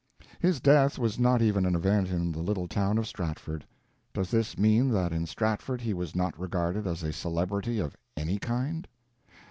His death was not even an event in the little town of Stratford. Does this mean that in Stratford he was not regarded as a celebrity of any kind?